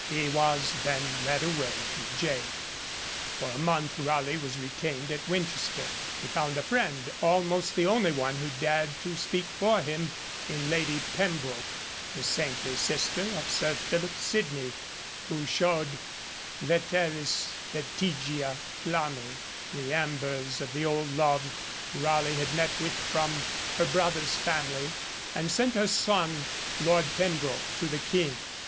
He was then led away to gaol. For a month Raleigh was retained at Winchester. He found a friend, almost the only one who dared to speak for him, in Lady Pembroke, the saintly sister of Sir Philip Sidney, who showed veteris vestigia flammæ, the embers of the old love Raleigh had met with from her brother's family, and sent her son, Lord Pembroke, to the King.